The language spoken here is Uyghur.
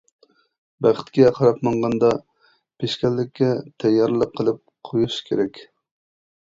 بەختكە قاراپ ماڭغاندا، پېشكەللىككە تەييارلىق قىلىپ قويۇش كېرەك.